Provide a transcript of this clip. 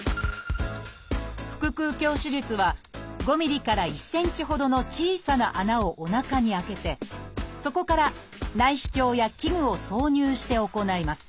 「腹くう鏡手術」は５ｍｍから１ｃｍほどの小さな穴をおなかに開けてそこから内視鏡や器具を挿入して行います。